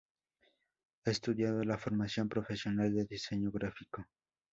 Ha estudiado la formación profesional de diseño gráfico.